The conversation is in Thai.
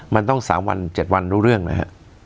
มันต้อง๓วัน๗วันรู้เรื่องนะฮะ